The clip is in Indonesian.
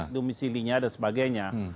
domisilinya dan sebagainya